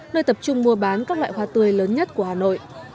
nơi tập trung mua bán các loại hoa tươi lớn nhất của hà nội